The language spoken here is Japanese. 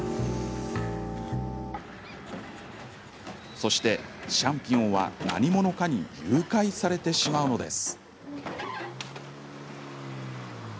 そして、シャンピオンは何者かに誘拐されてしまうのです。